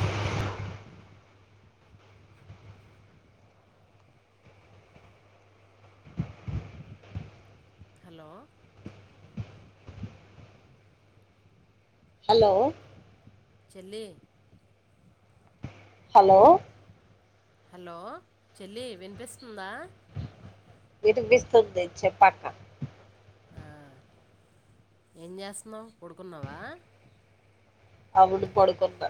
చెల్లి hello hello చెల్లి hello hello చెల్లి వినిపిస్తుందా వినిపిస్తుంది చెప్పు అక్క. ఆహ్ ఏం చేస్తున్నావు పడుకున్నావా. అవును పడుకున్న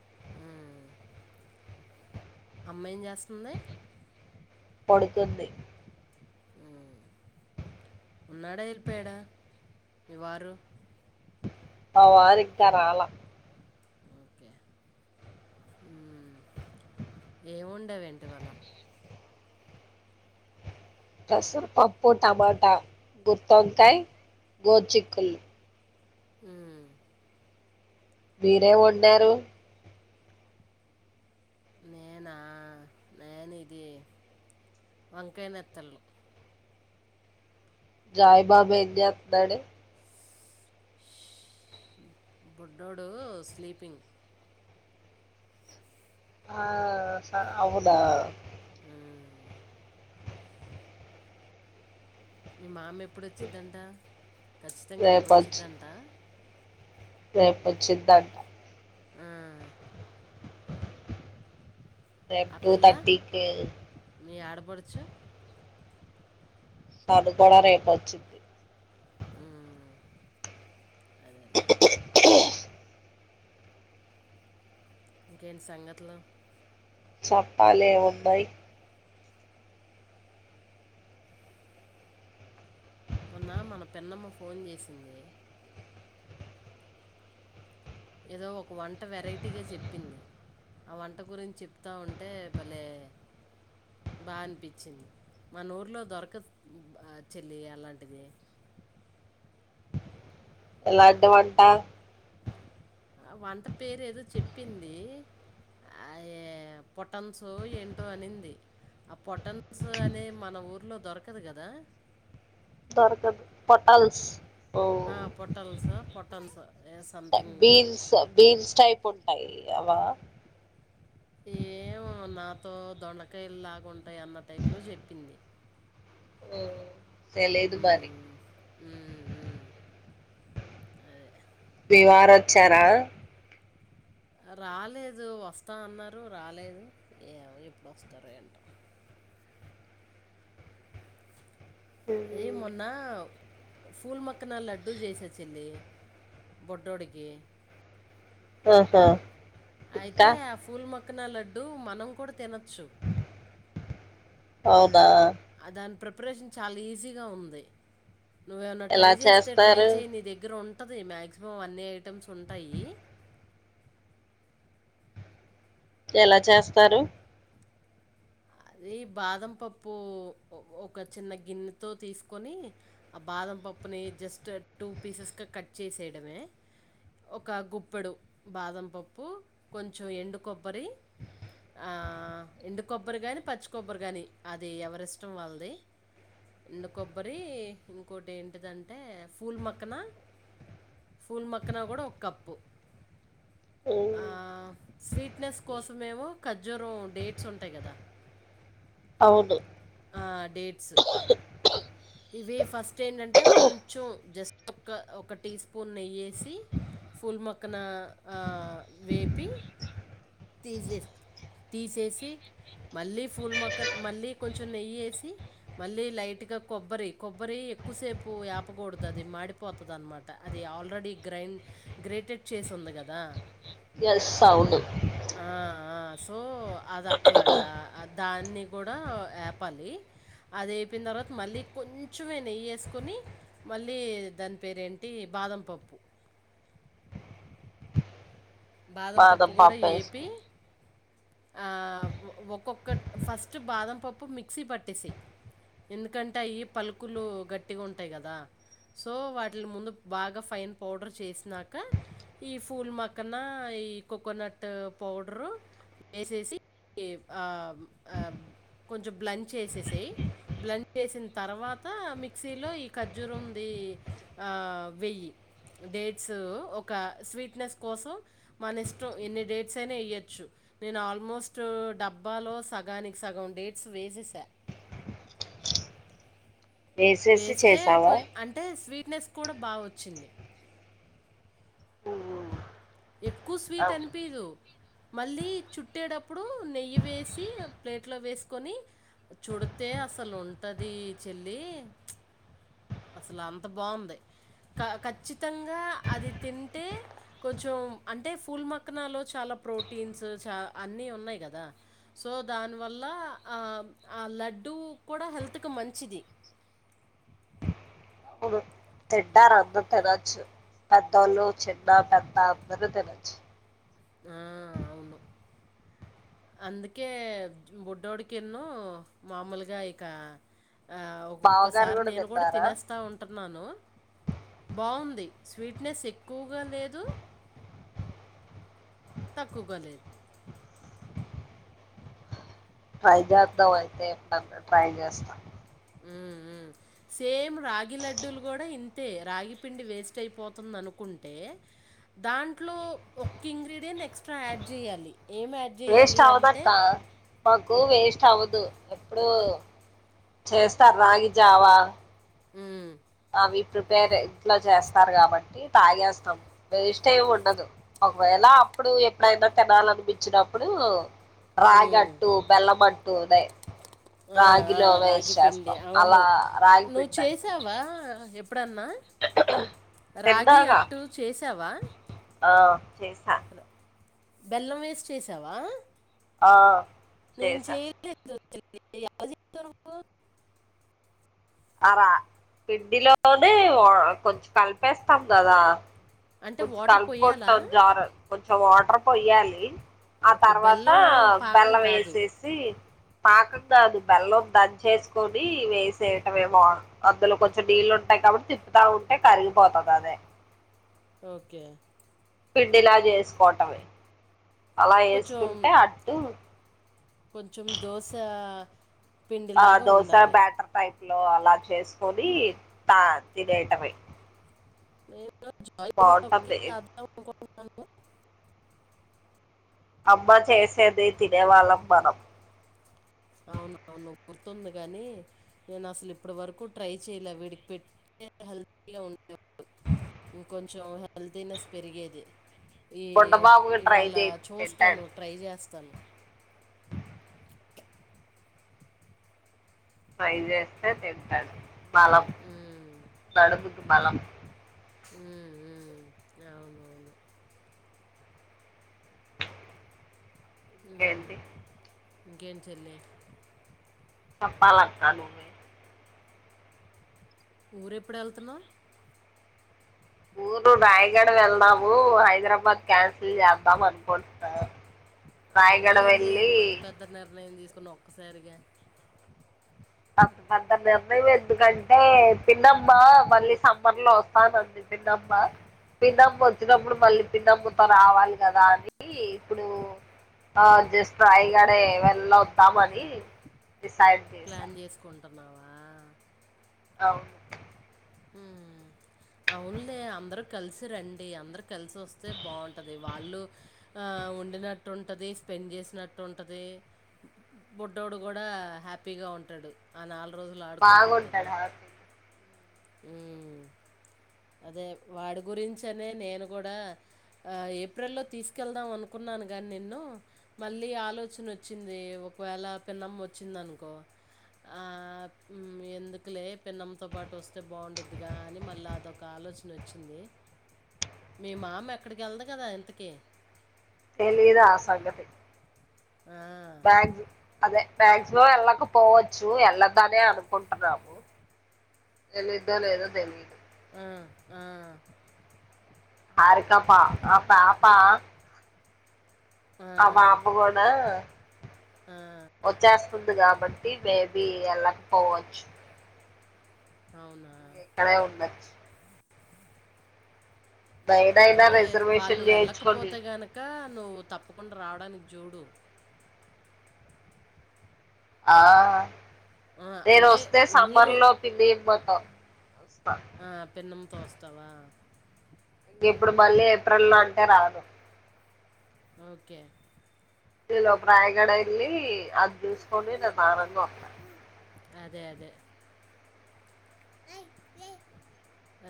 ఉమ్ అమ్మ ఏం చేస్తాంది పడుకుంది ఉమ్ ఉన్నాడా వెళ్ళిపోయాడా మీ వారు అ వారూ ఇంకా రాలే ఓకే ఉమ్ ఏం వండవ్ వేంటి ఇవాళ పసర పప్పు టమాటా గుతోంకాయ్ గోచిక్కులు ఉమ్ మీరేమ్ వండారు నేనా నేను ఇది వంకయ్ నెత్తళు జయిబాబు ఏంచేస్తున్నాడు బొడ్డోడు స్లీపింగ్ ఆ నా అవుదా ఉమ్ మీ మామ ఎప్పుడోచ్చిద్దంట ఖచ్చితంగా రేపు వచ్చిద్దంట రేపు వచ్చిదంట ఆ రేప్ ఆ టూ పిల్ల తర్టీకి మీ ఆడపడచు అది కూడా కూడా రేపు వచ్చిది ఉమ్మ్ హు ఇంకేటి సంగతులు చెప్పాలే ఏం ఉన్నాయి మొన్న మన పిన్నమ్మ ఫోన్ చేసింది ఏదో ఒక వంట వెరైటీగా చెప్పింది ఆ వంట గురించి చెప్తా ఉంటే బలేె బా అనిపించింది మన ఊర్లో దొరకద్ బా చెల్లి అలాంటిది ఎలాంటి వంట ఆ వంట పేరు ఏదో చెప్పింది అయే పొటన్సు ఏంటో అనింది ఆ పొటన్స్ అనే మన ఊర్లో దొరకదు కదా దొరకదు పోటల్స్ ఓ పొటల్స్ పొటన్స్ ఆ సంథింగ్ బీన్స్ ఆబీన్స్ టైప్ ఉంటాయి అవా ఏమో నాతో దొండకాయలు లాగాంటాయి అన్న టైప్ లో చెప్పింది ఉమ్ సెలెద్ మారి మ్మ్. మ్మ్, మ్మ్. మీ వారు వచ్చారా రాలేదు వస్తా అన్నారు రాలేదు ఏ ఎప్పుడు వస్తారు ఏంట [inaudible] అ మొన్న ఫూల్ మక్కన లడ్డు జేస చెల్లి బొడ్డొడి కి ఆహా ఇంకా అయితే ఆ పూల్ మక్కన లడ్డుూ మనం కూడా తినొచ్చు అవున దాని ప్రిపరేషన్ చాలా ఈజీగా ఉంది నువ్వేమైన్నా ట్రై ఎలా చేస్తే ట్రై చేస్తారు చేయయి నీ దగ్గర ఉంట ఉంటంది మాక్సిమం అన్ని ఐటమ్స్ ఉంటాయి ఎలా చేస్తారు అదే బాదం పప్పు ఒక చిన్న గిన్నెతో తీసుకొని ఆ బాదం మత్తం పప్పు ని జస్ట్ టూ పీసెస్ గా కట్ చేసేయడమే ఒక గుప్పెడు బాదం పప్పు కొంచెం ఎండు కొబ్బరి ఆ ఎండు కొబ్బరి గాని పచ్చి కొబ్బరి గాని అది ఎవరిష్టం వాళ్ళది ఎండు కొబ్బరి ఇంకోటి ఏంటిదంటే పూల మక్కన పూల్ మక్కన కూడా ఒక కప్పు ఆ స్వీట్నెస్ కోసం ఏమో ఖజ్జూరం డేట్స్ ఉంటాయి కదా అవును ఆ డేట్స్ ఇవి ఫస్ట్ ఏంటంటే కొంచెం జస్ట్ ఒక ఒక టీ స్పూన్ నెయ్యేసి పుల్ మొక్కన ఆ వేపి తీసేసి తీసేసి మళ్ళీ పూల్ మొక్కన్ మళ్ళీ కొంచెం నెయ్యేసి మళ్ళీ లైట్ గా కొబ్బరి కొబ్బరి ఎక్కువసేపు ఆపకూడదు అది మాడిపోతుది అన్నమాట అది ఆల్రెడీ గ్రైడ్ గ్రేటెడ్ చేసింది కదా ఎస్ అవును ఆ సో అది అట్లాగా దాన్ని కూడా ఏపాలి అదే తప్పిన తర్వాత మళ్ళీ కొంచెమే నెయ్యి వేసుకొని మళ్ళీ దాని పేరేంటి బాదం పప్పు బాదం పప్పు కూడా ఏపి ఆ ఒక్కొక్క ఫస్ట్ బాదం పప్పు మిక్సీ పట్టేస ఎందుకంటే అవి పలుకులు గట్టిగా ఉంటాయి కదా సో వాటిల ముందు బాగా ఫైన్ పౌడర్ చేసినాక ఈ ఫూల్ మక్క పక్కన ఈ కోకోనట్ పౌడరు వేసేసి ఆ కొంచెం బ్లం చేసేసయి బ్లెండ్ చేసిన తర్వాత మిక్సీలో ఈ ఖజ్జూరంది వెయ్యి డేట్స్ ఒక స్వీట్నెస్ కోసం మన ఇష్టం ఎన్ని డైట్స్ అయినా ఇయ్యొచ్చు నేను ఆల్మోస్ట్ డబ్బా లో సగం సగం కాని సగం వేసేసా వేసేసి వేస్తే చేసావా అంటే స్వీట్నెస్ కూడా బాగా వచ్చింది ఎక్కువ స్వీట్ అవును అనిపదు మళ్ళీ చుట్టేటప్పుడు నెయ్యి వేసి ప్లేట్ లో వేసుకొని చుడితే అసలు ఉంటది చెల్లి అసలు అంత బాగుంది క ఖచ్చితంగా అది తింటే కొంచెం అంటే పూల్ మక్కనలో చాలా ప్రోటీన్స్ చ అన్ని ఉన్నాయి్ కదా సో దానివల్ల ఆ ఆ లడ్డు కూడా హెల్త్ కి మంచిది [inaudible] తిడారు అందరు తినచ్చు పెద్దోళ్ళు చిన్న పెద్ద అందని తినచ్చు ఆ అవును అందుకే బొడ్డోడికిన్ను మామూలుగా ఇక బావగారు ఒొక్కసారి నేను కూడా తిన్నారా తినేస్తా ఉంటున్నాను బాగుంది స్వీట్నెస్ ఎక్కువగా లేదు తక్కువకలే ట్రై చేస్తావు అయితే ఎప్పుడ ట్రై చేస్తాం సేమ్ రాగి లడ్డూలు కూడా ఇ అతే రాగి పిండి వేస్ట్ అయిపోతుంది అనుకుంటే దాంట్లో ఒక ఇంగ్రీడియంట్ ఎక్స్ట్రా యాడ్ చేయ్యాలి వేస్ట్ అవదక్క మకు వేస్ట్ అవదు ఎప్పుడు చేస్తారు రాగి జావా ఉ అ ప్రిపేర్ ఇంట్లో చేస్తారు కాబట్టి త్రా చేేస్తాము వేస్ట్ ఏమి ఉండదు ఒకవేళ అప్పుడు ఎప్పుడైనా తినాలనిపించినప్పుడు ఉమ్, రగట్టు బెల్లమట్టు అదే ఆ ఆ రాగిలో వేస్ట్ రాగి పిండి చేస్తాం అవును అలా రాగి నువ్వు పిండి అంటు చేసావా అప్పుడన్నా రాగి తిన్నాగా అట్టు చేసావా ఆ చేసా బెల్లం వేసి చేసావా ఆ నేను చేసా చేయలేదు ఎలా చేసావ్ నువు అ రా పిండిలోనే కొంచెం కలిపేస్తాం కదా అంటే కొంచెం వాటర్ పోయాలా కలుపుకుంటాం జర కొంచెం వాటర్ పోయాలి ఆ ఓకే తర్వాత బెల్లం పాకం బెల్లం కాదు వేసేసి పాకం కాదు బెల్లం దన్ చేసుకొని వేసే మేమో అద్లో కొంచెం నీళ్లు ఉంటాయి కాబట్టి తిప్పుతా ఉంటే కరిగిపోతుంది అదే ఓకే పిండిలా చేసుకోవటమే అలా కొంచెం వేసుకుంటే అట్టు కొంచెం దోశ ఆ పిండిలాగా దోసా ఉండాలి బ్యాటర్ టైప్ లో అలా చేసుకొని తా తినేటమే ఏ జ అమ్మ చేసేది తినేవాళ్ళం మనం అవునవును గుర్తుంది కాని నేను అసలు ఇప్పటి వరకు ట్రై చెయలే వీడికి పెట్టి హెల్త్య్ ఉండే ఇంకొంచెం హెల్తీనెస్ పెరిగేది ఈ బుడ్డబాబుకి ట్రై ఇవాళ చేయి చూస్తాను తింటాడు ట్రై చేస్తాను ట్రై చేస్తే తింటాడు బలం ఉమ్ కడుపుకి బలం ఉ అవున అవును ఉమ్ ఏంటి ఇంకేం చెల్లే చప్పాలక్క నువ్వే ఊర ఎప్పుడు వెళ్తున్నా ఊరు రాయగడ వెళ్దాము హైదరాబాద్ క్యాన్సిల్ చేద్దాం అనుకుంటున్నా ఎందుకు రాయగడ చెల్లి వెళ్ళి అంత పెద్ద నిర్ణయం తీసుకుని ఒక్కసారిగా అంత పెద్ద నిర్ణయం ఎందుకంటే పిన్నమ్మా మళ్ళీ సమ్మర్ లో వస్తానంది పిన్నమ పిన్నమ్ము వచ్చినప్పుడు మళ్ళీ పిన్నమ్మతో రావాలి కదా అని ఇప్పుడు ఆ జస్ట్రైగడే వెళ్ళొద్దామని డిసైడ్ చేసా కుంటున్నావా అవును ఉమ్ అవునులే అందరు కలిసి రండి అందరు కలిసి వస్తే బాగుంటది వాళ్ళు ఆ ఆ ఉండినట్టు ఉంటుంది స్పెండ్ చేసినట్టు ఉంటుంది బుడ్డోడు కూడా హ్యాపీగా ఉంటాడు ఆ నాలుగు బాగుంటాడు ఆ హ్మ్మ్ అదే వాడి గురించి అనే నేను కూడా ఏప్రిల్ లో తీసుకెళ్దాం అనుకున్నాను గని నిన్ను మళ్ళీ ఆలోచన వచ్చింది ఒకవేళ పెన్నమ్మ వచ్చింది అనుకో ఆ ఎందుకులే పిన్నమ తో పాటు వస్త అే బాగుండదిగా అని మళ్ళీ అదొక ఆలోచన వచ్చింది మీ మామ్ ఎక్కడికి వెళ్ళదు కదా ఇంతకి తెలిద ఆసగతే ఆ! బగ అదే మాక్సిమం వెళ్ళకపోవచ్చు వెళ్ళద్దానే అనుకుంటున్నాము ఎల్లిదో లేదో తెలిదు ఆ ఆ ఆరికా పా అదే. ఆప పా ఆ! అ బంమా కూడా వచ్చేస్త ంది కాబట్టి మేబీ వెళ్ళకపోవచ్చు అవును క్కడే ఉండచ్చ బైనయినా అదే వాళ్ళు రిసర్వేషన్లుయిచ్చుకోండి వెళ్ళకపోతే గనక నువ్వు తప్పకుండా రావడానికి చూడు ఆ ఆ! నేను అంటే వస్తే ఊరు సమ్మర్ లో పిలి అయిపోతావ్ ఆ పెన్నమ్ తోవస్తావా ఇక ఇప్పుడు మళ్ళీ ఏప్రిల్ లో అంటే రాను ఓకే నీలో రాయగడ వెళ్ళి అది చూసుకని నేను దారంగా ఉంటన్నాను అదే అదే అయి ఏ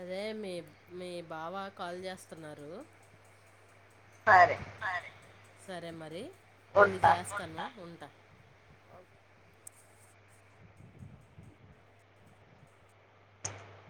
అదే మీ మీ బావా కాల్ చేస్తున్నారు సరే సరే మరి మళ్ళీ ఉంటా చేస్తానా ఉంటా